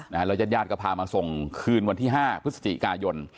แล้วยาดก็พามาส่งคืนวันที่๕พฤศจิกายน